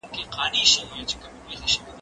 هغه څوک چي سپينکۍ مينځي روغ وي!.